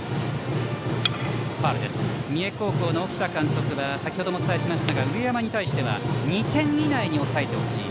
三重高校の沖田監督は先程もお伝えしましたが上山に対しては２点以内に抑えてほしい。